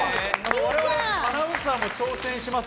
アナウンサーも挑戦します。